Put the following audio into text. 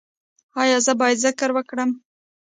ایا زه باید ذکر وکړم؟